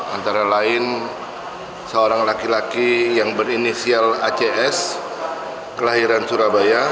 antara lain seorang laki laki yang berinisial acs kelahiran surabaya